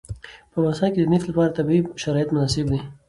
په افغانستان کې د نفت لپاره طبیعي شرایط مناسب دي.